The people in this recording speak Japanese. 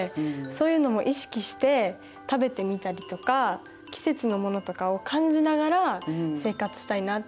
そういうのも意識して食べてみたりとか季節のものとかを感じながら生活したいなっていうふうに思いました。